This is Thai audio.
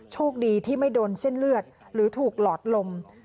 โชคดีที่ไม่โดนเส้นเลือดหรือถูกหลอดลม